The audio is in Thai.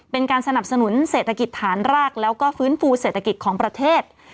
เป็นการสนับสนุนเศรษฐกิจฐานรากแล้วก็ฟื้นฟูเศรษฐกิจของประเทศ